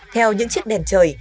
theo những chiếc đèn trời